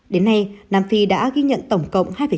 đến nay nam phi đã ghi nhận tổng cộng